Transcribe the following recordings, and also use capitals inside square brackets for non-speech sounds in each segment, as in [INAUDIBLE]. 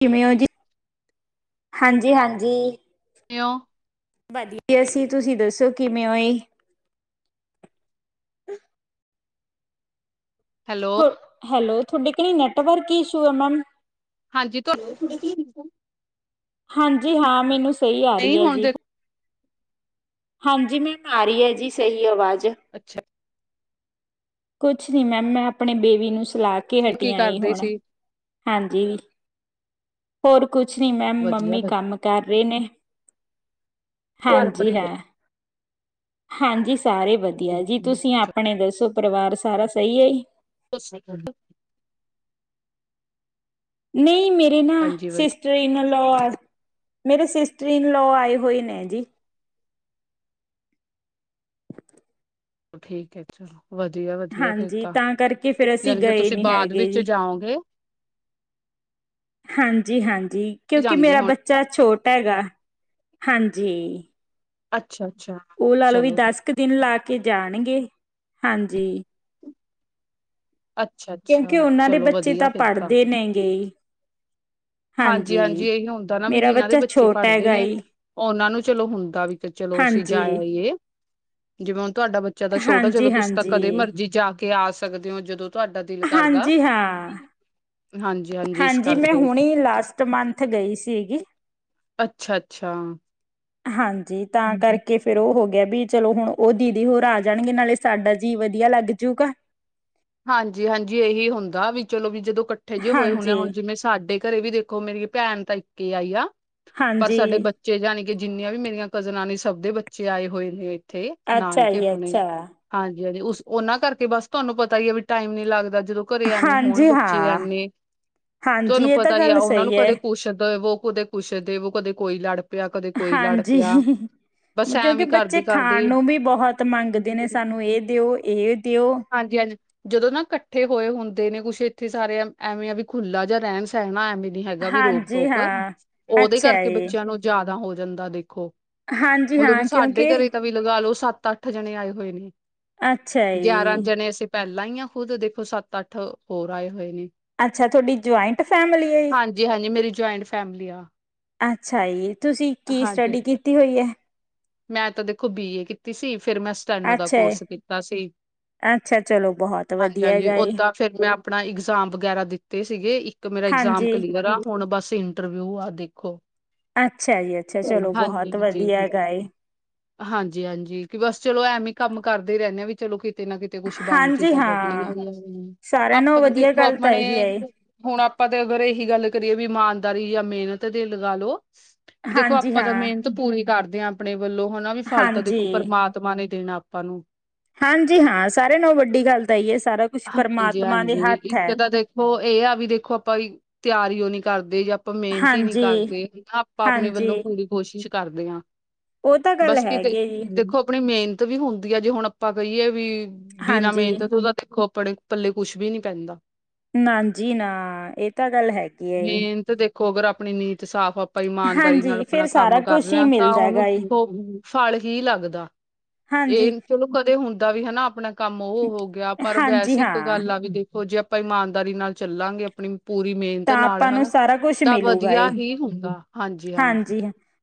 ਕਿਵੇਂ ਹੋ ਜੀ? ਹਾਂਜੀ, ਹਾਂਜੀ [UNINTELLIGIBLE] ਵਧੀਆ। ਅਸੀਂ ਤੁਸੀਂ ਦੱਸੋ ਕਿਵੇਂ ਹੋਏ? ਹੈਲੋ ਹੈਲੋ, ਤੁਹਾਡੇ ਘਰੇ ਨੈਟਵਰਕ ਇਸ਼ੂ ਹੈ ਮੈਮ? ਹਾਂਜੀ ਤੁਹਾ ਹਾਂਜੀ ਹਾਂ, ਮੈਨੂੰ ਸਹੀ ਆ ਨਹੀਂ ਰਹੀ ਹੈ ਹੁਣ ਜੀ। ਦੇ ਹਾਂਜੀ ਮੈਮ, ਆ ਰਹੀ ਹੈ ਜੀ ਸਹੀ ਆਵਾਜ਼। ਅੱਛਾ ਕੁਛ ਨੀ ਮੈਮ ਮੈਂ ਅਪਣੇ ਬੇਬੀ ਨੂੰ ਸਲਾ ਕੇ ਕੀ ਹਟੀਆਂ ਈ ਕਰਦੇ ਹੁਣ। ਸੀ ਹਾਂਜੀ, ਹੋਰ ਕੁਛ ਨੀ ਮੈਂਮ ਵਧੀਆ ਮੰਮੀ ਕੰਮ ਕਰ ਰਹੇ ਨੇ, ਵਧੀਆ ਘਰ ਪਰਿ ਹਾਂਜੀ ਹਾਂ। ਹਾਂਜੀ ਸਾਰੇ ਵਧੀਆ ਜੀ। ਤੁਸੀਂ ਆਪਣੇ ਦੱਸੋ ਪਰਿਵਾਰ ਸਾਰਾ ਸਹੀ ਹੈ ਜੀ? [UNINTELLIGIBLE] ਨਹੀਂ ਮੇਰੇ ਨਾ ਹਾਂਜੀ ਸਿਸ ਵਧੀਆ ਨਲੋ ਮੇਰੇ ਸਿਸਟਰ ਇਨਲੋ ਆਏ ਹੋਏ ਨੇ ਜੀ ਠੀਕ ਹੈ ਚਲੋ ਵਧੀਆ ਵਧੀਆ ਫਿਰ ਹਾਂਜੀ ਤਾਂ, ਕਰਕੇ ਫਿਰ ਜਾਣੀ ਕਿ ਤੁਸੀਂ ਬਾਅਦ ਵਿੱਚ ਜਾਓਗੇ। ਹਾਂਜੀ ਹਾਂਜੀ ਕਿਉਂਕਿ ਜਾਂਦੇ ਮੇਰਾ ਬੱਚਾ ਹੋਣੇ ਬੱਚਾ ਛੋਟ ਹੈਗਾ, ਹਾਂਜੀ। ਅੱਛਾ ਅੱਛਾ ਉਹ ਲਾ ਲਓ ਵੀ ਚਲੋ ਦਸ ਕੁ ਦਿਨ ਲਾ ਕੇ ਜਾਣਗੇ, ਹਾਂਜੀ। ਅੱਛਾ ਅੱਛਾ ਕਿਉਂਕਿ ਉਹਨਾਂ ਦੇ ਚਲੋ ਬੱਚੇ ਵਧੀਆ ਤਾਂ ਫਿਰ ਪੜ੍ਹਦੇ ਨੇ ਗੇ ਹੀ। ਹਾਂਜੀ ਹਾਂਜੀ ਇਹੀ ਹੁੰਦਾ ਨਾ ਵੀ ਮੇਰਾ ਜਿਹਨਾਂ ਦੇ ਬੱਚਾ ਬੱਚੇ ਛੋਟਾ ਪੜ੍ਹਦੇ ਹੈਗਾ ਨੇ, ਈ ਉਹਨਾਂ ਨੂੰ ਚਲੋ ਹੁੰਦਾ ਵੀ ਚਲੋ ਅਸੀਂ ਜਾਇਆ ਹਾਂਜੀ। ਹੀਏ, ਜਿਵੇਂ ਹੁਣ ਤੁਹਾਡਾ ਬੱਚਾ। ਜਦਾ ਛੋਟਾ ਚਲੋ ਤੁਸੀਂ ਤਾਂ ਹਾਂਜੀ-ਹਾਂਜੀ, ਕਦੇ ਹਾਂਜੀ ਮਰਜੀ ਜਾ ਕੇ ਆ ਸਕਦੇ ਹੋ ਜਦੋਂ ਤੁਹਾਡਾ ਦਿਲ ਕਰਦਾ, ਹਾਂਜੀ ਹਾਂ। ਹਾਂਜੀ ਹਾਂਜੀ ਇਸ ਕਰਕੇ ਕਿ ਲਾਸਟ ਮੰਥ ਗਈ ਸੀਗੀ ਅੱਛਾ-ਅੱਛਾ। ਹਾਂਜੀ, ਤਾਂ ਹਾਂਜੀ। ਕਰਕੇ। ਫੇਰ ਉਹ ਹੋ ਗਿਆ ਵੀ ਚਲੋ ਹੁਣ ਉਹ ਦੀਦੀ ਹੋਰ ਆ ਜਾਣਗੇ, ਨਾਲੇ ਸਾਡਾ ਜੀਅ ਵਧੀਆ ਲੱਗ ਜੂਗਾ ਹਾਂਜੀ ਹਾਂਜੀ ਇਹੀ ਹੁੰਦਾ ਵੀ ਚਲੋ ਵੀ ਜਦੋਂ ਇਕੱਠੇ ਜਿਹੇ ਹੋਏ ਹੁੰਣੇ ਹਾਂਜੀ ਆ ਹੁਣ ਜਿਵੇਂ ਸਾਡੇ ਘਰੇ ਵੀ ਦੇਖੋ ਮੇਰੀ ਭੈਣ ਤਾਂ ਇੱਕ ਆਈ ਆ, ਪਰ ਹਾਂਜੀ ਸਾਡੇ ਬੱਚੇ ਜਾਨੇ ਕਿ ਜਿੰਨੀਆਂ ਵੀ ਮੇਰੀਆਂ ਕਜ਼ਨਾਂ ਨੇ ਸਭ ਦੇ ਬੱਚੇ ਆਏ ਹੋਏ ਨੇ। ਤੇ ਅੱਛਾ ਨਾਨਕੇ ਜੀ ਆਪਣੇ ਅੱਛਾ ਹਾਂਜੀ ਹਾਂਜੀ, ਉਸ ਉਹਨਾਂ ਕਰਕੇ ਬਸ ਤੁਹਾਨੂੰ ਪਤਾ ਹੀ ਆ ਵੀ ਟਾਈਮ ਨੀ ਲੱਗਦਾ ਜਦੋਂ ਕਰੇ ਏਵੇ ਹੋੁਣ ਹਾਂਜੀ ਬੱਚੇ ਹਾਂ ਐਨੇ ਹਾਂਜੀ ਤੁਹਾਨੂੰ ਇਹ ਤਾਂ ਪਤਾ ਹੀ ਆ ਗੱਲ ਉਹਨਾਂ ਨੂੰ ਸਹੀ ਹੈ ਕਦੇ ਕੁਛ ਵੋ ਕਦੇ ਕੁੱਛ ਦੇ ਵੋ, ਕਦੇ ਕੋਈ ਲੜ ਪਿਆ ਕਦੇ ਕੋਈ ਲੜ ਹਾਂਜੀ ਪਿਆ ਬਸ ਕਿਉਂਕਿ ਐਵੇਂ ਬੱਚੇ ਕਰਦੇ ਖਾਣ ਕਰਦੇ ਨੂੰ ਵੀ ਬਹੁਤ ਮੰਗਦੇ ਨੇ ਸਾਨੂੰ ਇਹ ਦਿਓ ਇਹ ਦਿਓ ਹਾਂਜੀ-ਹਾਂਜੀ। ਜਦੋਂ ਨਾ ਇਕੱਠੇ ਹੋਏ ਹੁੰਦੇ ਨੇ ਕੁਛ ਇੱਥੇ ਸਾਰੇ ਐਵੇਂ ਆ ਵੀ ਖੁੱਲਾ ਜਾਂ ਰਹਿਣ ਸਹਿਣਾ ਐਵੇਂ। ਹੈਗਾ ਵੀ ਹਾਂਜੀ ਰੋਕ-ਟੋਕ, ਹਾਂ ਉਹਦੇ ਅੱਛਾ ਕਰਕੇ ਜੀ ਬੱਚਿਆਂ ਨੂੰ ਜ਼ਿਆਦਾ ਹੋ ਜਾਂਦਾ ਦੇਖੋ। ਹਾਂਜੀ ਹੁਣ ਹਾਂ ਦੇਖੋ ਸਾਡੇ ਕਿਉਂਕਿ ਘਰੇ ਤਾਂ ਵੀ ਲਗਾ ਲੋ ਸੱਤ-ਅੱਠ ਜਣੇ ਆਏ ਹੋਏ ਨੇ। ਅੱਛਾ ਜੀ। ਗਿਆਰਾਂ ਜਣੇ ਅਸੀਂ ਪਹਿਲਾਂ ਹੀ ਆ ਖੁਦ, ਦੇਖੋ ਸੱਤ-ਅੱਠ ਹੋਰ ਆਏ ਹੋਏ ਨੇ। ਅੱਛਾ, ਤੁਹਾਡੀ ਜੁਆਇੰਟ ਫੈਮਿਲੀ ਐ। ਹਾਂਜੀ-ਹਾਂਜੀ, ਮੇਰੀ ਜੁਆਇੰਟ ਫੈਮਲੀ ਆ। ਅੱਛਾ ਜੀ, ਤੁਸੀਂ ਕੀ ਹਾਂਜੀ ਸਟੱਡੀ ਕੀਤੀ ਹੋਈ ਐ। ਮੈਂ ਤਾਂ ਦੇਖੋ ਬੀ ਏ ਕੀਤੀ ਸੀ ਫਿਰ ਮੈਂ ਸਟੈਨੋ ਦਾ ਅੱਛਾ ਏ, ਕੋਰਸ ਕੀਤਾ ਸੀ। ਅੱਛਾ ਚਲੋ ਬਹੁਤ ਵਧੀਆ ਹਾਂਜੀ-ਹਾਂਜੀ, ਹੈਗਾ ਏ, ਓਦਾਂ ਫਿਰ ਮੈਂ ਆਪਣਾ ਇਗਜ਼ਾਮ ਵਗੈਰਾ ਦਿੱਤੇ ਸੀਗੇ ਇੱਕ ਮੇਰਾ ਇਗਜ਼ਾਮ ਹਾਂਜੀ। ਕਲੀਅਰ ਆ। ਹੁਣ ਬਸ ਇੰਟਰਵਿਊ ਆ ਦੇਖੋ। ਅੱਛਾ ਜੀ ਅੱਛਾ, ਚਲੋ ਹਾਂਜੀ ਬਹੁਤ ਜੀ। ਵਧੀਆ ਹੈਗਾ ਏ। ਹਾਂਜੀ-ਹਾਂਜੀ ਕਿ ਬਸ ਚਲੋ ਐਵੇਂ ਕੰਮ ਕਰਦੇ ਹੀ ਰਹਿੰਦੇ ਆ ਵੀ ਚਲੋ ਕਿਤੇ ਨਾ ਕਿਤੇ ਤੇ ਕੁਛ ਬਣ ਹਾਂਜੀ ਜੇਗਾ ਤਾਂ ਹਾਂ। [UNINTELLIGIBLE] ਸਾਰਿਆਂ ਨਾਲੋਂ ਆਪਾਂ ਵਧੀਆ ਦੇਖੋ ਗੱਲ ਤਾਂ ਆਪਣੇ ਇਹੀ ਹੈ, ਏ। ਹੁਣ ਆਪਾਂ ਤਾਂ ਅਗਰ ਇਹੀ ਗੱਲ ਕਰੀਏ ਵੀ ਇਮਾਨਦਾਰੀ ਜਾਂ ਮਿਹਨਤ ਤੇ ਲਗਾ ਲਓ। ਵੀ ਦੇਖੋ ਹਾਂਜੀ ਆਪਾਂ ਤਾਂ ਹਾਂ, ਮਿਹਨਤ ਪੂਰੀ ਕਰਦੇ ਹਾਂ ਆਪਣੇ ਵੱਲੋਂ ਹੁਣ ਵੀ ਫ਼ਲ ਤਾ ਹਾਂਜੀ। ਦੇਖੋ ਪਰਮਾਤ ਤਮਾ ਨੇ ਦੇਣਾ ਆਪਾਂ ਨੂੰ ਹਾਂਜੀ ਹਾਂ ਸਾਰਿਆਂ ਨਾਲ ਵੱਡੀ ਗੱਲ ਤਾਂ ਇ ਐ, ਸਾਰਾ ਕੁਛ ਪਰਮਾਤਮਾ ਦੇ ਹੱਥ ਏ। ਉਹ ਇਹ ਆ ਵੀ ਦੇਖੋ ਆਪਾਂ ਵੀ ਤਿਆਰੀਓ ਨੀ ਕਰਦੇ ਜਾਂ ਆਪਾਂ ਮਿਹਨਤ ਹੀ ਨੀ ਹਾਂਜੀ, ਕਰਦੇ, ਆਪਾਂ ਆਪਣੇ ਵੱਲੋਂ ਹਾਂਜੀ ਪੂਰੀ ਕੋਸ਼ਿਸ਼ ਕਰਦੇ ਹਾਂ। ਉਹ ਤਾਂ ਗੱਲ ਬਸ ਕਿਤੇ ਹੈਗੀ ਹੈ ਜੀ, ਦੇਖੋ, ਆਪਣੀ ਮੇਨ ਵੀ ਹੁੰਦੀ ਆ। ਜੇ ਹੁਣ ਆਪਾਂ ਕਹੀਏ ਵੀ ਬਿਨਾਂ ਮਿਹਨਤ ਹਾਂਜੀ। ਤੇ ਉਹਦਾ ਦੇਖੋ ਆਪਣੇ ਪੱਲੇ ਕੁਛ ਵੀ ਨੀ ਪੈਂਦਾ। ਨਾ ਜੀ ਨਾ, ਇਹ ਤਾਂ ਗੱਲ ਹੈਗੀ ਐਂ। ਮਿਹਨਤ ਦੇਖੋ ਅਗਰ ਆਪਣੀ ਨੀਂਤ ਸਾਫ਼, ਆਪਾਂ ਇਮਾਨਦਾਰੀ ਨਾਲ ਹਾਂਜੀ ਫੇਰ ਆਪਣਾ ਸਾਰਾ ਕੰਮ ਕਰ ਕੁਛ ਰਹੇ ਹੀ ਹਾਂ ਤਾਂ ਮਿਲਦਾ ਹੈਗਾ ਉਹਨੂੰ ਏ। ਖੋ ਫਲ ਹੀ ਲੱਗਦਾ। ਹਾਂਜੀ, ਇਹ ਚਲੋ ਕਦੇ ਹੁੰਦਾ ਵੀ ਹੈਨਾ ਆਪਣਾ ਕੰਮ ਉਹ ਹੋ ਗਿਆ ਪਰ ਹਾਂਜੀ ਵੈਸੇ ਇੱਕ ਹਾਂ। ਗੱਲ ਆ ਵੀ ਦੇਖੋ ਜੇ ਆਪਾਂ ਇਮਾਨਦਾਰੀ ਨਾਲ ਚੱਲਾਂਗੇ। ਆਪਣੀ ਪੂਰੀ ਮਿਹਨਤ ਤਾਂ ਨਾਲ ਆਪਾਂ ਨੂੰ ਹਨਾ ਸਾਰਾ ਕੁਛ ਤਾਂ ਮਿਲੂਗਾ ਏ ਵਧੀਆ ਹੀ ਹੁੰਦਾ। ਹਾਂਜੀ,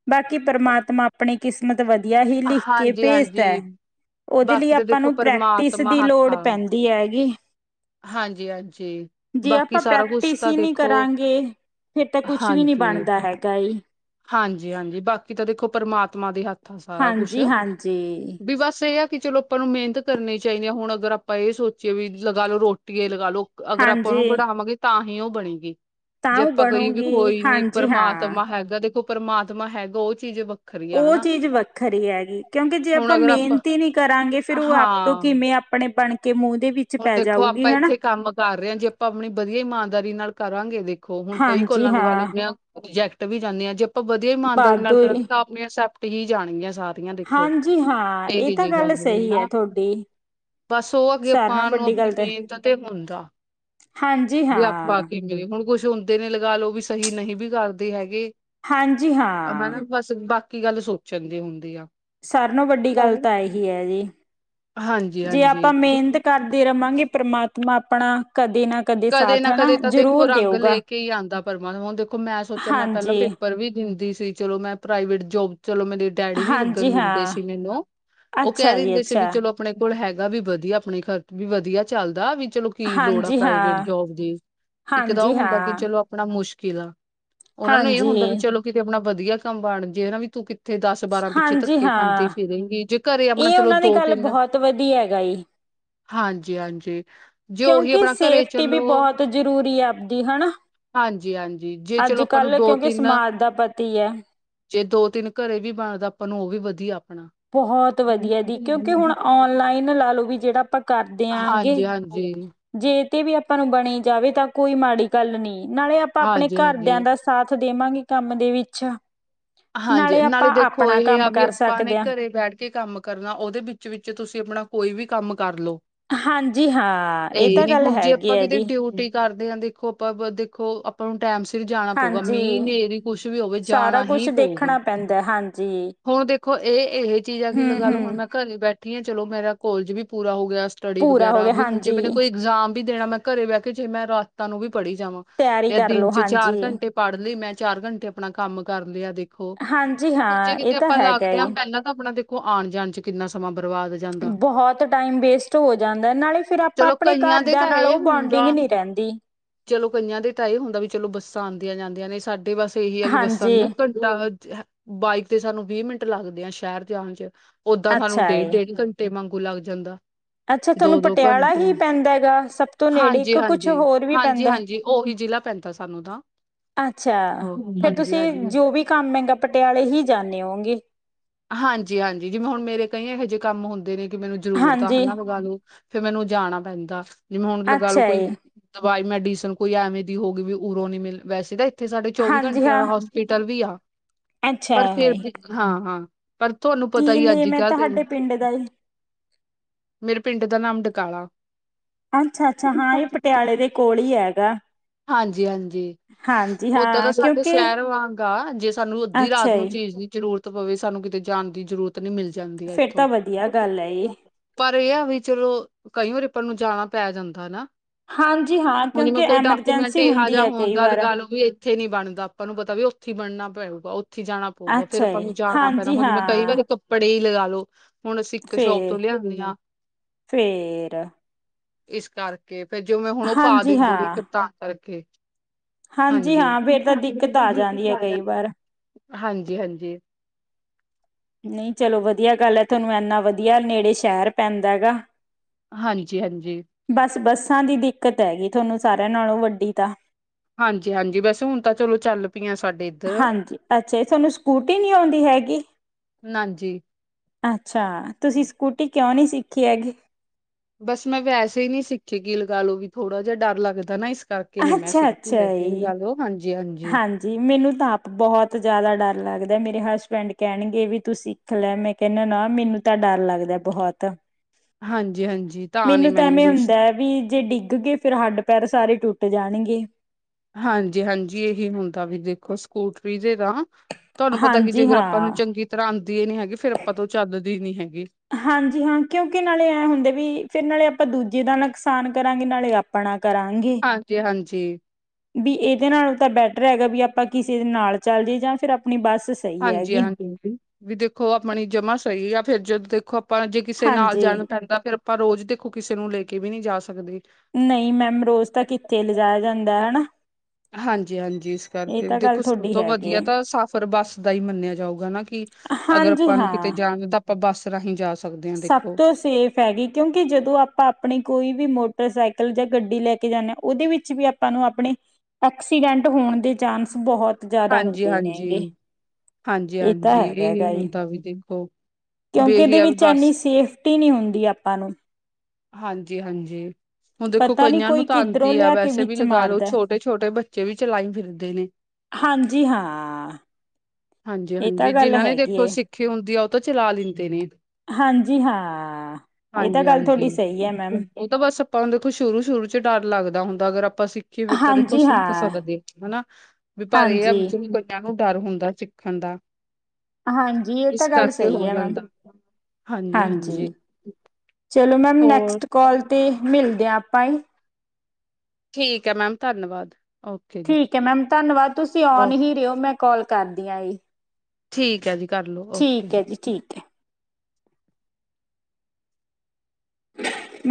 ਬਾਕੀ ਪਰਮਾਤਮਾ ਆਪਣੀ ਕਿਸਮਤ ਵਧੀਆ ਹੀ ਲਿਖ ਕੇ ਹਾਂਜੀ ਹਾਂਜੀ ਭੇਜਦਾ ਏ। ਉਹਦੇ ਲਈ ਬਾਕੀ ਤਾਂ ਆਪਾਂ ਦੇਖੋ ਨੂੰ ਪ੍ਰੈਕਟਿਸ ਪਰਮਾਤਮਾ ਦੀ ਹੱਥ ਲੋੜ ਆ ਪੈਂਦੀ ਹੈਗੀ। ਹਾਂਜੀ ਹਾਂਜੀ ਜੇ ਬਾਕੀ ਆਪਾਂ ਸਾਰਾ ਕੁਛ ਪ੍ਰੈਕਟਿਸ ਤਾਂ ਹੀ ਨੀ ਦੇਖੋ ਕਰਾਂਗੇ ਫੇਰ ਤਾਂ ਕੁਛ ਵੀ ਨੀ ਬਣਦਾ ਹੈਗਾ ਏ। ਹਾਂਜੀ-ਹਾਂਜੀ, ਬਾਕੀ ਤਾਂ ਦੇਖੋ ਪਰਮਾਤਮਾ ਦੇ ਹੱਥ ਆ ਸਾਰਾ ਕੁਛ ਹਾਂਜੀ ਹਾਂਜੀ ਵੀ ਬਸ ਇਹ ਆ। ਕਿ ਚਲੋ ਆਪਾਂ ਨੂੰ ਮਿਹਨਤ ਕਰਨੀ ਚਾਹੀਦੀ ਐ, ਹੁਣ ਅਗਰ ਆਪਾਂ ਇਹ ਸੋਚੀਏ ਵੀ ਲਗਾ ਲੋ ਰੋਟੀਏ ਲਗਾ ਲੋ ਅਗਰ ਆਪਾਂ ਉਹਨੂੰ ਹਾਂਜੀ ਬਣਾਵਾਂਗੇ ਤਾਂ ਹੀ ਉਹ ਬਣੇਗੀ। ਤਾਂ ਜੇ ਉਹ ਆਪਾਂ ਕੋਈ ਵੀ ਬਣੂਗੀ ਕੋਈ ਨੀ ਹਾਂਜੀ ਹਾਂ ਪਰਮਾਤਮਾ ਹੈਗਾ, ਦੇਖੋ ਪਰਮਾਤਮਾ ਹੈਗਾ ਉਹ ਚੀਜ਼ ਵ ਉਹ ਚੀਜ਼ ਵੱਖਰੀ ਹੈਗੀ ਕਿਉਂਕਿ ਜੇ ਹੁਣ ਆਪਾਂ ਅਗਰ ਮਿਹਨਤ ਇ ਨੀ ਕਰਾਂਗੇ ਫਿਰ ਉਹ ਆਪ ਤੋਂ ਹਾਂ ਕਿਵੇਂ ਆਪਣੇ ਬਣ ਕੇ ਮੂੰਹ ਦੇ ਵਿੱਚ [UNINTELLIGIBLE] ਹੁਣ ਦੇਖੋ ਜਾਊਗੀ ਆਪਾਂ ਹਨਾ ਇੱਥੇ ਕੰਮ ਕਰ ਰਹੇ ਆ, ਜੇ ਆਪਾਂ ਆਪਣੀ ਵਧੀਆ ਇਮਾਨਦਾਰੀ ਨਾਲ ਕਰਾਂਗੇ ਦੇਖੋ ਹੁਣ ਕਈ ਹਾਂਜੀ ਕੋਲਾਂ ਨੂੰ ਹਾਂ [UNINTELLIGIBLE] ਰਿਜੈਕਟ ਵੀ ਜਾਂਦੇ ਆ, ਜੇ ਆਪਾਂ ਵਧੀਆ ਇਮਾਨਦਾਰੀ ਨਾਲ ਵਾਧੂ ਈ ਕਰਾਂਗੇ ਤਾਂ ਆਪਣੇ ਅਸੈਪਟ ਹੀ ਜਾਣਗੀਆਂ ਸਾਰੇ। ਦੇਖੋ, ਹਾਂਜੀ ਹਾਂ ਇਹ ਇਹੋ ਤਾਂ ਜਿਹੀ ਗੱਲ ਸਹੀ ਹੈ ਨਾ ਤੁਹਾਡੀ ਬਸ ਉਹ ਅੱਗੇ ਸਾਰਿਆਂ ਨਾਲੋਂ ਆਪਾਂ ਨੂੰ ਵੱਡੀ ਗੱਲ ਆਪਣੀ ਤਾਂ ਮਿਹਨਤ ਤੇ ਹੁੰਦਾ, ਹਾਂਜੀ ਵੀ ਆਪਾਂ ਹਾਂ ਕੀ ਹੁਣ ਕੁਛ ਹੁੰਦੇ ਨੇ ਲਗਾ ਲਓ ਵੀ ਸਹੀ ਨਹੀਂ ਵੀ ਕਰਦੇ ਹੈਗੇ। ਹਾਂਜੀ, ਹਨਾ ਹਾਂ। ਬਸ ਬਾਕੀ ਗੱਲ ਸੋਚਣ ਦੀ ਹੁੰਦੀ ਆ ਸਾਰੇ ਨਾਲ ਵੱਡੀ ਗੱਲ ਤਾਂ ਇਹੀ ਹੈ ਜੀ ਜੇ ਆਪਾਂ ਹਾਂਜੀ-ਹਾਂਜੀ। ਮਿਹਨਤ ਕਾਰਦੇ ਰਵਾਂਗੇ ਪਰਮਾਤਮਾ ਆਪਣਾ ਕਦੇ ਨਾ ਕਦੇ ਸਾਥ ਨਾ ਹਨਾ ਕਦੇ ਤਾਂ ਦੇਖੋ ਜ਼ਰੂਰ ਰੰਗ ਦੇਊਗਾ ਲੇ ਕੇ ਹੀ ਆਉਂਦਾ ਪਰਮਾਮ ਹੁਣ ਦੇਖੋ ਮੈਂ ਸੋਚਿਆ ਮੈਂ ਪਹਿਲਾਂ ਹਾਂਜੀ ਪੇਪਰ ਵੀ ਦਿੰਦੀ ਸੀ ਚਲੋ ਮੈਂ ਪ੍ਰਾਈਵੇਟ ਜੋਬ ਚਲੋ ਮੈਂ ਦ ਡੈਡੀ ਨੀ ਲੱਗਨ ਹਾਂਜੀ ਦਿੰਦੇ ਹਾਂ ਸੀ ਮੈਨੂੰ ਉਹ ਕਹਿ ਅੱਛਾ ਜੀ ਦਿੰਦੇ ਸੀ ਵੀ ਅੱਛਾ ਚਲੋ ਆਪਣੇ ਕੋਲ ਹੈਗਾ ਵੀ ਵਧੀਆ ਅਪਨੇ ਖਰਚ ਵੀ ਵਧੀਆ ਚੱਲਦਾ ਵੀ ਚਲੋ ਕੀ ਲੋੜ ਆ ਹਾਂਜੀ ਪ੍ਰਾਈਵੇਟ ਹਾਂ ਜੋਬ ਦੀ ਇੱਕ ਦਾ ਉਹ ਹਾਂਜੀ ਹੁੰਦਾ ਕਿ ਹਾਂ ਚਲੋ ਆਪਣਾ ਮੁਸ਼ਕਿਲ ਆ ਉਹਨਾਂ ਨੂੰ ਇਹ ਹਾਂਜੀ ਹੁੰਦਾ ਵੀ ਚਲੋ ਕਿਤੇ ਅਪਣਾ ਵਧੀਆ ਕੰਮ ਬਣ ਜੇ ਨਾਂ ਵੀ ਤੂੰ ਕਿ ਤੇ ਦਸ ਬਾਰਾਂ ਪਿੱਛੇ ਹਾਂਜੀ ਧੱਕੇ ਖਾਂਦੀ ਹਾਂ ਫਿਰੇਂਗੀ ਜੇ ਘਰੇ ਆਪਣਾ ਇਹ ਚਲੋ ਉਹਨਾਂ ਦੀ ਦੋ ਗੱਲ ਤਿੰਨ ਬਹੁਤ ਵਧੀਆ ਗਾਈ ਹਾਂਜੀ ਹਾਂਜੀ ਜੇ ਉਹੀ ਕਿਉਂਕਿ ਆਪਣਾ ਘਰੇ ਸੇਫਟੀ ਵੀ ਚਲੋ ਬਹੁਤ ਜਰੂਰੀ ਏ ਆਪਦੀ ਹਨਾ ਹਾਂਜੀ ਹਾਂਜੀ ਜੇ ਅੱਜ ਚਲੋ ਆਪਾਂ ਨੂੰ ਕੱਲ ਦੋ ਕਿਉਂਕਿ ਤਿੰਨ ਸਮਾਜ ਦਾ ਪਤੀ ਹੈ [UNINTELLIGIBLE] ਜੇ ਦੋ ਤਿੰਨ ਘਰੇ ਵੀ ਬਾਣਦਾ ਆਪਾਂ ਨੂੰ ਉਹ ਵੀ ਵਧੀਆ ਆਪਨਾ ਬਹੁਤ ਵਧੀਆ ਜੀ ਕਿਉਂਕਿ ਹੁਣ ਔਨਲਾਈਨ ਲਾ ਲਓ ਵੀ ਜੇਹੜਾ ਕਰ ਦਿਆਂਗੇ ਹਾਂਜੀ ਹਾਂਜੀ ਜੇ ਤੇ ਵੀ ਆਪਾਂ ਨੂੰ ਬਣੀ ਜਾਵੇ ਤਾਂ ਕੋਈ ਮਾੜੀ ਗੱਲ ਨੀ ਨਾਲੇ ਆਪਾਂ ਆਪਣੇ ਹਾਂਜੀ ਹਾਂਜੀ ਘਰਦਿਆਂ ਦਾ ਸਾਥ ਦੇਵਾਂਗੇ ਕੰਮ ਦੇ ਵਿੱਚ ਹਾਂਜੀ ਨਾਲੇ ਆਪਾਂ ਦੇਖੋ ਆਪਣਾ ਇਹ ਆ ਕੰਮ ਵੀ ਕਰ ਆਪਾਂ ਨੇ ਸਕਦੇ ਹਾਂ ਘਰੇ ਬੈਠ ਕੇ ਕੰਮ ਕਰਨਾ ਉਹਦੇ ਵਿੱਚ ਵਿਚ ਤੁਸੀਂ ਆਪਣਾ ਕੋਈ ਵੀ ਕੰਮ ਕਰ ਲੋ ਹਾਂਜੀ ਹਾਂ ਇਹ ਤਾਂ ਨਹੀਂੀ ਗੱਲ ਹੁਣ ਜੇ ਹੈਗੀ ਆਪਾਂ ਹੈ ਕਿਤੇ ਜੀ ਡਿਊਟੀ [UNINTELLIGIBLE] ਕਰਦੇ ਹਾਂ ਦੇਖੋ ਆਪਾਂ ਦੇਖੋ ਆਪਾਂ ਨੂੰ ਟਾਈਮ ਸਿਰ ਜਾਣਾ ਪਊਗਾ ਹਾਂਜੀ ਮੀਂਹ ਹਨੇਰੀ ਕੁੱਸ਼ ਵੀ ਹੋਵੇ ਸਾਰਾ ਜਾਣਾ ਕੁਛ ਹੀ ਦੇਖਣਾ ਪੈਂਦਾ ਹਾਂਜੀ ਹੁਣ ਦੇਖੋ ਇਹ ਇਹ ਚੀਜ਼ ਆ ਕਿ ਹੂੰ ਲਗਾ ਲੋ ਹੁਣ ਹੂੰ ਮੈਂ ਘਰੇ ਬੈਠੀ ਆ ਚਲੋ ਮੇਰਾ ਕਾਲੇਜ ਵੀ ਪੂਰਾ ਹੋ ਗਿਆ ਸਟੱਡੀ ਪੂਰਾ ਹੋ ਵਗੈਰਾ ਗਿਆ ਵੀ ਹੁਣ ਜੇ ਮੈ ਹਾਂਜੀ ਕੋਈ ਇਗਜ਼ਾਮ ਵੀ ਦੇਣਾ ਮੈਂ ਘਰੇ ਬਹਿ ਕੇ ਜੇ ਮੈਂ ਰਾਤਾਂ ਨੂੰ ਵੀ ਪੜ੍ਹੀ ਜਾਵਾਂ ਤਿਆਰੀ ਜਾਂ ਕਰ ਦਿਨ ਲਓ ਚ ਚਾਰ ਹਾਂਜੀ ਘੰਟੇ ਪੜ੍ਹ ਲਈ ਮੈਂ ਚਾਰ ਘੰਟੇ ਆਪਣਾ ਕੰਮ ਕਰ ਲਿਆ ਦੇ ਹਾਂਜੀ ਹਾਂ ਜੇ ਇਹ ਕਿਤੇ ਤਾਂ ਆਪਾਂ ਹੈਗਾ ਲਾਗਦੇ ਆ ਏ ਪਹਿਲਾਂ ਤਾਂ ਆਪਣਾ ਦੇਖੋ ਆਣ ਜਾਣ ਚ ਕਿੰਨਾ ਸਮਾਂ ਬਰਬਾਦ ਜਾਂਦਾ। ਬਹੁਤ ਟਾਈਮ ਵੇਸਟ ਹੋ ਜਾਂਦਾ ਨਾਲੇ ਫਿਰ ਆਪਾਂ ਚਲੋ ਆਪਣੇ ਕਈਆਂ ਦੇ ਘਰਦਿਆਂ ਤਾਂ ਨਾਲ ਇਹ ਉਹ ਬੋਂਡਿੰਗ ਹੁੰਦਾ ਨਹੀਂ ਰਹਿੰਦੀ ਚਲੋ ਕਈਆਂ ਦੇ ਤਾਂ ਇਹ ਹੁੰਦਾ ਵੀ ਚਲੋ ਬੱਸਾਂ ਆਂਦੀਆਂ ਜਾਂਦੀਆਂ ਨੇ ਸਾਡੇ ਬਸ ਇਹੀ ਆ ਵੀ ਬੱਸਾਂ ਹਾਂਜੀ ਲ ਬਾਈਕ ਤੇ ਸਾਨੂੰ ਵੀਹ ਮਿੰਟ ਲੱਗਦੇ ਆ ਸ਼ਹਿਰ ਜਾਣ ਚ ਓਦਾਂ ਸਾਨੂੰ ਅੱਛਾ ਡੇਢ ਏ ਡੇਢ ਘੰਟੇ ਵਾਂਗੂ ਲੱਗ ਜਾਂਦਾ ਅੱਛਾ ਦੋ ਤੁਹਾਨੂੰ ਦੋ ਪਟਿਆਲਾ ਘੰਟੇ ਹੀ ਪੈਂਦਾ ਹੈਗਾ ਸਭ ਤੋਂ ਨੇੜੇ ਹਾਂਜੀ ਇੱਕ ਕੁਛ ਹਾਂਜੀ ਹੋਰ ਵੀ ਹਾਂਜੀ ਪੈਂਦਾ ਹਾਂਜੀ ਉਹੀ ਜ਼ਿਲ੍ਹਾ ਪੈਂਦਾ ਸਾਨੂੰ ਤਾਂ ਅੱਛਾ ਹਾਂਜੀ ਫੇਰ ਤੁਸੀਂ ਹਾਂਜੀ ਜੋ ਵੀ ਕੰਮ ਹੈਂਗਾ ਪਟਿਆਲੇ ਹੀ ਜਾਂਨੇ ਹੋਗੇ ਹਾਂਜੀ ਹਾਂਜੀ ਜਿਵੇਂ ਹੁਣ ਮੇਰੇ ਕਈ ਇਹੋ ਜਿਹੇ ਕੰਮ ਹੁੰਦੇ ਨੇ ਕਿ ਮੈਨੂੰ ਜ਼ਰੂਰਤ ਆ ਹਾਂਜੀ ਹਨਾ ਪ ਫੇਰ ਮੈਨੂੰ ਜਾਣਾ ਪੈਂਦਾ ਸੀ ਜਿਵੇਂ ਹੁਣ ਲਗਾ ਲੋ ਅੱਛਾ ਕੋਈ ਏ ਦਵਾਈ ਮੈਡੀਸਨ ਕੋਈ ਏਵੇਂ ਦੀ ਹੋ ਗਈ ਵੀ ਉਰੋਂ ਨੀ ਮਿਲ ਵੈਸੇ ਤੇ ਇੱਥੇ ਸਾਡੇ ਚੌਵੀ ਹਾਂਜੀ ਘੰਟੇ ਹਾਂ ਆਲਾ ਹਸ ਹੋਸਪਿਟਲ ਵੀ ਆ ਅੱਛਾ ਪਰ ਫੇਰ ਏ ਵੀ ਹਾਂ ਹਾਂ ਪਰ ਤੁਹਾਨੂੰ ਪਤਾ ਕੀ ਈ ਅੱਜ ਨੇਮ ਹੈ ਕੱਲ ਤੁਹਾਡੇ ਪਿੰਡ ਦਾ ਏ ਮੇਰੇ ਪਿੰਡ ਦਾ ਨਾਮ ਡਕਾਲਾ ਅੱਛਾ-ਅੱਛਾ ਹਾਂ, ਇਹ ਪਟਿਆਲੇ ਦੇ ਕੋਲ ਹੀ ਹੈਗਾ। ਹਾਂਜੀ ਹਾਂਜੀ ਹਾਂਜੀ ਓਦਾਂ ਤਾਂ ਹਾਂ ਸਾਡੇ ਕਿਉਂਕਿ ਸ਼ਹਿਰ ਵਾਂਗ ਆ ਜੇ ਸਾਨੂੰ ਅੱਧੀ ਰਾਤ ਅੱਛਾ ਨੂੰ ਜੀ ਚੀਜ਼ ਦੀ ਜ਼ਰੂਰਤ ਪਵੇ ਸਾਨੂੰ ਕਿਤੇ ਜਾਨ ਦੀ ਜਰੂਰਤ ਨੀ ਮਿਲ ਜਾਂਦੀ ਏ ਫਿਰ ਏਥੋਂ ਤਾਂ ਵਧੀਆ ਗੱਲ ਹੈ ਜੀ। ਪਰ ਇਹ ਆ ਵੀ ਚਲੋ ਕਈ ਵਾਰੀ ਅਪਾਂ ਨੂੰ ਜਾਣਾ ਪੈ ਜਾਂਦਾ ਨਾ ਹਾਂਜੀ ਹਾਂ ਹੁਣ ਜਿਵੇਂ ਕਿਉਂਕਿ ਕੋਈ ਡਾਕੂਮੈਂਟ ਐਮਰਜੈਂਸੀ ਇਹੋ ਹੁੰਦੀ ਜਿਹਾ ਏ ਹੋਣ ਕਈ ਦਾ ਵਾਰ। ਲਗਾ ਵੀ ਇੱਥੇ ਨੀ ਬਣਦਾ ਆਪਾਂ ਨੂੰ ਪਤਾ ਵੀ ਉੱਥੇ ਹੀ ਬਣਨਾ ਪਊਗਾ ਉੱਥੇ ਜਾਣਾ ਪਊਗਾ ਫੇਰ ਅੱਛਾ ਆਪਾਂ ਜੀ ਨੂੰ ਜਾਣਾ ਪੈਣਾ ਹਾਂਜੀ ਹੁਣ ਮੈਂ ਕਹੀਦਾ ਹਾਂ ਵਾ ਕੱਪੜੇ ਈ ਲਗਾ ਲੋ ਹੁਣ ਅਸੀਂ, ਇੱਕ ਸ਼ੋਪ ਫੇਰ ਤੋਂ ਲਿਆਨੇ ਹਾਂ। ਫੇਰ ਇਸ ਕਰਕੇ ਫੇਰ ਜਿਵੇਂ, ਹੁਣ ਉਹ ਪਾ ਹਾਂਜੀ ਦੇਂਦੁਗੀ ਹਾਂ ਫੀਰ ਤਾਂ ਕਰਕੇ। ਹਾਂਜੀ, ਹਾਂ ਫਿਰ ਤਾਂ ਦਿੱਕਤ ਆ ਜਾਂਦੀ ਹੈ ਕਈ ਵਾਰ। ਹਾਂਜੀ-ਹਾਂਜੀ। ਨਹੀਂ ਚਲੋ ਵਧੀਆ ਗੱਲ ਐ, ਤੁਹਾਨੂੰ ਐਂਨਾ ਵਧੀਆ ਨੇੜੇ ਸ਼ਹਿਰ ਪੈਂਦਾਗਾ। ਹਾਂਜੀ-ਹਾਂਜੀ। ਬਸ, ਬੱਸਾਂ ਦੀ ਦਿੱਕਤ ਹੈਗੀ, ਤੁਹਾਨੂੰ ਸਾਰਿਆਂ ਨਾਲੋਂ ਵੱਡੀ ਤਾਂ। ਹਾਂਜੀ-ਹਾਂਜੀ, ਬਸਾ ਹੁਣ ਤਾਂ ਚਲੋ, ਚੱਲ ਪਈਆਂ ਸਾਡੇ ਇੱਧਰ। ਹਾਂਜੀ, ਅੱਛਾ, ਇਹ ਤੁਹਾਨੂੰ ਸਕੂਟੀ ਨਹੀਂ ਆਉਂਦੀ ਹੈਗੀ? ਨਾਂਜੀ। ਅੱਛਾ, ਤੁਸੀਂ ਸਕੂਟੀ ਕਿਉਂ ਨਹੀਂ ਸਿੱਖੀ ਹੈਗੀ? ਬਸ ਮੈਂ ਵੈਸੇ ਹੀ ਨਹੀਂ ਸਿੱਖੀ ਕਿ ਲਗਾ ਲਓ ਵੀ, ਥੋੜਾ ਜਿਹਾ ਡਰ ਲੱਗਦਾ ਨਾ ਇਸ ਕਰਕੇ। ਕਿ ਨਹੀਂ ਮੈਂ ਅੱਛਾ ਸਿੱਖੀ ਅੱਛਾ ਹੈਗੀ, ਗੱਲ ਉਹ ਹਾਂਜੀ- ਹਾਂਜੀ। ਜੀ ਮੈਨੂੰ ਤਾ ਆਪ ਬਹੁਤ ਜ਼ਿਆਦਾ ਡਰ ਲੱਗਦਾ, ਮੇਰੇ ਹਸਬੈਂਡ ਕਹਿਣਗੇ ਵੀ ਤੁਸੀਂ ਖ ਲਿਆ ਮੈਂ ਕਹਿੰਨਾ ਨਾ, ਮੈਨੂੰ ਤਾਂ ਡਰ ਲੱਗਦਾ ਬਹੁਤ। ਹਾਂਜੀ-ਹਾਂਜੀ ਨੀ ਮੈਨੂੰ ਤਾਂ ਮੈਨੇ ਐਵੇਂ ਵੀ ਹੁੰਦਾ ਹੈ ਵੀ, ਜੇ, ਡਿੱਗ ਗਏ ਫਿਰ, ਹੱਡ-ਪੈਰ ਸਾਰੇ ਟੁੱਟ ਜਾਣਗੇ। ਹਾਂਜੀ-ਹਾਂਜੀ, ਇਹੀ ਹੁੰਦਾ ਵੀ ਦੇਖੋ ਸਕੂਟਰੀ ਦੇ ਦਾਂ ਤੁਹਾਨੂੰ ਪਤਾ ਕਿ ਹਾਂਜੀ ਜੇਕਰ ਆਪਾਂ ਨੂੰ ਹਾਂ ਚੰਗੀ ਤਰ੍ਹਾਂ ਆਉਂਦੀਏ ਨੀ ਹੈਗੀ, ਫੇਰ ਆਪਾਂ ਤੋਂ ਉਹ ਚੱਲਦੀ ਨੀ ਹੈਗੀ। ਹਾਂਜੀ, ਹਾਂ, ਕਿਉਂਕੀ ਨਾਲੇ ਐ ਹੁੰਦੇ ਵੀ, ਫਿਰ ਨਾਲੇ ਆਪਾਂ ਦੂਜੇ ਦਾ ਨੁਕਸਾਨ ਕਰਾਂਗੇ, ਨਾਲੇ ਆਪ ਆਪਣਾ ਕਰਾਂਗੇ। ਹਾਂਜੀ-ਹਾਂਜੀ। ਵੀ ਇਹਦੇ ਨਾਲ ਤਾਂ ਬੈਟਰ ਹੈਗਾ, ਵੀ ਆਪਾਂ ਕਿਸੇ ਦੇ ਨਾਲ ਚੱਲ ਜੀਏ ਜਾਂ ਫਿਰ, ਆਪਣੀ ਬੱਸ ਸਹੀ ਹਾਂਜੀ- ਹੈਗੀ ਹਾਂਜੀ ਵੀ ਦੇਖੋ ਆਪਣੀ ਜਮ੍ਹਾਂ ਸਹੀ ਆ, ਫਿਰ ਜਦੋਂ ਦੇਖੋ ਆਪਾਂ ਜੇ ਕਿਸੇ ਨਾਲ ਹਾਂਜੀ ਜਾਣਾ ਪੈਂਦਾ, ਫੇਰ ਆਪਾਂ ਰੋਜ਼ ਦੇਖੋ ਕਿਸੇ ਨੂੰ ਲੇਕੇ ਵੀ ਨਹੀਂ ਜਾ ਸਕਦੇ। ਨਹੀਂ ਮੈਮ, ਰੋਜ਼ ਤਾ ਕਿੱਥੇ ਲਿਜਾਇਆ ਜਾਂਦਾ ਹਨਾ। ਹਾਂਜੀ-ਹਾਂਜੀ। ਇਹ ਕਰਕੇ ਵੀ ਤਾਂ ਗੱਲ ਦੇਖੋ, ਸਭ ਤੁਹਾਡੀ ਤੋਂ ਹੈਗੀ ਹੈ ਵਧੀਆ ਤਾਂ ਸਾਫ਼ਰ ਬੱਸ ਦਾ ਹੀ ਮੰਨਿਆ ਜਾਊਗਾ ਨਾ ਕਿ ਅਗਰ ਹਾਂਜੀ ਆਪਾਂ ਨੂੰ ਕਿਤੇ ਹਾਂ। ਜਾਣ ਤਾਂ, ਆਪਾਂ ਬੱਸ ਰਾਹੀਂ ਜਾ ਸਕਦੇ ਹਾਂ, ਦੇਖੋ ਪੈ ਗਈ। ਕਿਉਂਕਿ, ਜਦੋਂ ਆਪਾਂ ਆਪਣੀ ਕੋਈ ਵੀ ਮੋਟਰਸਾਈਕਲ ਜਾਂ ਗੱਡੀ ਲੈਕੇ ਜਾਂਨੇ ਹਾਂ, ਉਹਦੇ ਵਿੱਚ ਵੀ ਆਪ ਆਪਾਂ ਨੂੰ ਆਪਣੇ, ਔਕਸੀਡੈਂਟ ਹੋਣ ਦੇ ਚਾਂਸ ਬਹੁਤ ਜ਼ਿਆਦਾ ਹਾਂਜੀ ਹੁੰਦੇ ਹਾਂਜੀ ਨੇਗੇ। ਹਾਂਜੀ ਇਹ ਤਾ ਹਾਂਜੀ ਇਹ ਹੈਗਾ-ਹੈਗਾਏ, ਹੁੰਦਾ ਵੀ ਦੇਖੋ ਵੀ ਕਿਉਂਕਿ ਇਹੀ ਇਹਦੇ ਆ ਵੀ ਵਿੱਚ ਇਨੀ ਬਸ ਸੇਫਟੀ ਨਹੀਂ ਹੁੰਦੀ ਆਪਾ ਨੂੰ। ਹਾਂਜੀ-ਹਾਂਜੀ ਹੁਣ ਦੇਖੋ, ਪਤਾ ਨੀ ਕਈਆਂ ਕੋਈ ਨੂੰ ਤਾਂ ਕਿੱਧਰੋਂ ਆਂਦੀ ਆ, ਲਿਆ ਕੇ ਵੈਸੇ ਵੀ ਵਿੱਚ ਲਗਾ ਲਓ ਮਾਰਦਾ। ਛੋਟ ਕਈ ਛੋਟੇ ਬੱਚੇ ਵੀ ਚਲਾਈ ਫਿਰਦੇ ਨੇ। ਹਾਂਜੀ, ਹਾਂ। ਇਹ ਹਾਂਜੀ-ਹਾਂਜੀ, ਤਾਂ ਗੱਲ ਜਿਹਨਾਂ ਨੇ ਹੈਗੀ ਦੇਖੋ ਏ ਸਿੱਖੀ ਹੁੰਦੀ ਆ, ਉਹ ਤਾਂ ਚਲਾ ਲੈਂਦੇ ਨੇ। ਹਾਂਜੀ, ਹਾਂ, ਇਹ ਤਾ ਗੱਲ ਹਾਂਜੀ-ਹਾਂਜੀ ਥੋਡੀ ਸਹੀ ਆ, ਮੈਮ। ਉਹ ਤਾਂ ਬਸ ਆਪਾਂ ਦੇਖੋ ਸ਼ੁਰੂ ਸ਼ੁਰੂ ਚ ਡਰ ਲੱਗਦਾ ਹੁੰਦਾ ਅਗਰ ਆਪਾਂ ਸਿੱਖ ਕੀਵੇ ਤਾਂ ਦੇਖੋ ਹਾਂਜੀ ਅਸੀਂ ਕਰ ਹਾਂ ਸਕਦੇ ਹਨਾ ਵੀ ਪਰ ਇਹ ਆ ਹਾਂਜੀ। ਧੀਆਂ ਨੂੰ ਡਰ ਹੁੰਦਾ ਸਿੱਖਣ ਦਾ। ਹਾਂਜੀ ਇਹ ਇਸ ਤਾਂ ਗੱਲ ਕਰਕੇ ਸਹੀ ਹੋ ਹੈ ਮੈਮ ਜਾਂਦਾ ਹਾਂਜੀ ਹਾਂਜੀ। ਚਲੋ ਮੈਮ ਨੈਕਸਟ ਕਾਲ ਤੇ ਮਿਲਦੇ ਹਾਂ ਆਪਾਂ। ਠੀਕ ਹੈ ਮੈਮ ਧੰਨਵਾਦ ਓਕੇ ਜੀ ਠੀਕ ਹੈ ਮੈਮ, ਧੰਨਵਾਦ! ਤੁਸੀਂ ਔਨ ਓ ਹੀ ਰਹਿਓ ਮੈਂ ਕੌਲ ਕਰਦੀਆਂ ਈ। ਠੀਕ ਹੈ ਜੀ, ਕਰਲੋ ਓਕੇ-ਜੀ। ਹੈ ਜੀ ਠੀਕ ਹੈ। ਮੈਂ